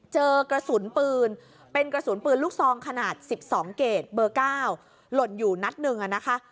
เจอกระสุนปืนเป็นกระสุนปืนลูกซองขนาด๑๒เกรดเบอร์๙หล่นอยู่นัดหนึ่งนะคะ